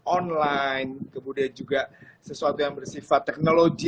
online kemudian juga sesuatu yang bersifat teknologi